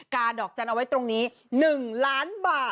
ดอกจันทร์เอาไว้ตรงนี้๑ล้านบาท